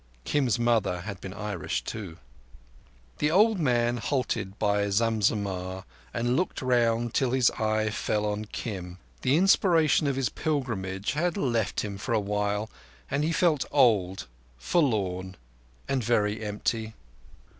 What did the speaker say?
Kim's mother had been Irish, too. The old man halted by Zam Zammah and looked round till his eye fell on Kim. The inspiration of his pilgrimage had left him for awhile, and he felt old, forlorn, and very empty.